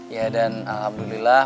ya dan alhamdulillah